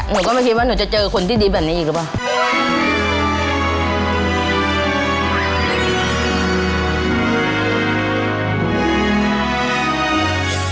หนูก็ไม่คิดว่าหนูจะเจอคนที่ดีแบบนี้อีกหรือเปล่า